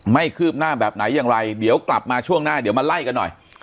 คืบหน้าแบบไหนอย่างไรเดี๋ยวกลับมาช่วงหน้าเดี๋ยวมาไล่กันหน่อย